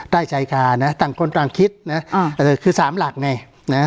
ได้ชายคานะต่างคนต่างคิดนะอ่าเออคือสามหลักไงนะ